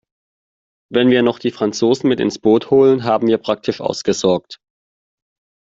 Wenn wir noch die Franzosen mit ins Boot holen, haben wir praktisch ausgesorgt.